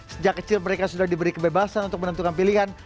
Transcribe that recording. sejak kecil mereka sudah diberi kebebasan untuk menentukan pilihan